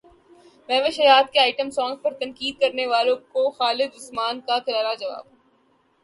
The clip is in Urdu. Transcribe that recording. مہوش حیات کے ائٹم سانگ پر تنقید کرنے والوں کو خالد عثمان کا کرارا جواب